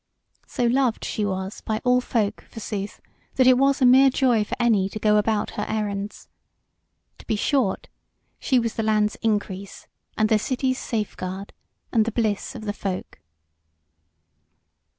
So loved she was by all folk, forsooth, that it was a mere joy for any to go about her errands. To be short, she was the land's increase, and the city's safeguard, and the bliss of the folk.